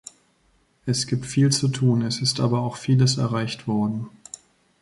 Es gibt viel zu tun, es ist aber auch vieles erreicht worden.